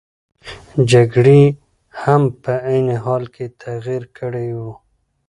جګړې هم په عین حال کې تغیر کړی وو.